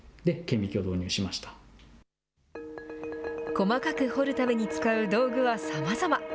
細かく彫るために使う道具はさまざま。